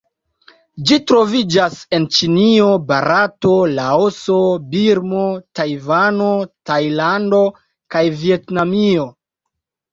Ĝi troviĝas en Ĉinio, Barato, Laoso, Birmo, Tajvano, Tajlando kaj Vjetnamio.